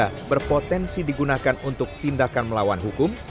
diduga berpotensi digunakan untuk tindakan melawan hukum